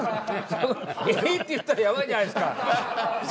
「えーっ？」って言ったらヤバいじゃないですか。